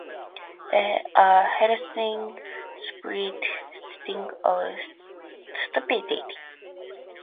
A healthy spirit stinks of stupidity!